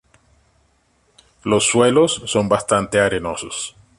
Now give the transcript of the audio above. Los suelos son bastante arenosos.